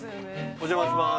お邪魔します